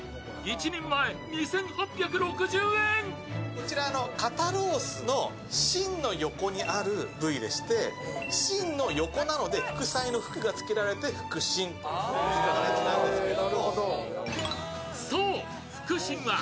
こちら肩ロースの芯の横にある部位でして芯の横なので、副菜の副がつけられて副芯という形なんですけど。